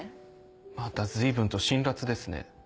また随分と辛辣ですね。